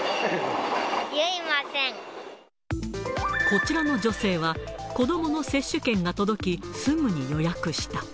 こちらの女性は、子どもの接種券が届き、すぐに予約した。